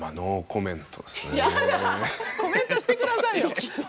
コメントしてくださいよ。